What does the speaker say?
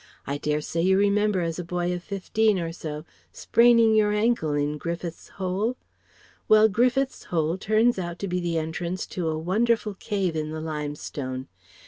I dare say you remember as a boy of fifteen or so spraining your ankle in Griffith's Hole? Well Griffith's Hole turns out to be the entrance into a wonderful cave in the limestone.